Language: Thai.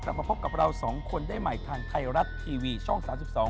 จะมาพบกับเราสองคนได้ใหม่ทางไทยรัฐทีวีช่อง๓๒